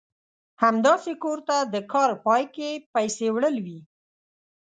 همداسې کور ته د کار پای کې پيسې وړل وي.